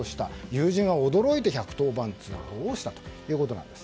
友人は驚いて１１０番通報をしたということです。